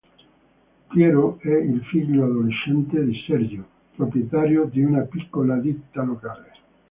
Piero è il figlio adolescente di Sergio, proprietario di una piccola ditta locale.